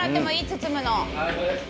包むの。